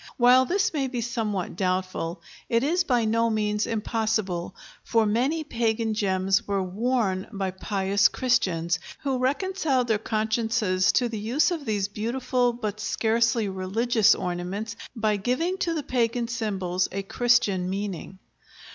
While this may be somewhat doubtful, it is by no means impossible, for many pagan gems were worn by pious Christians, who reconciled their consciences to the use of these beautiful but scarcely religious ornaments by giving to the pagan symbols a Christian meaning.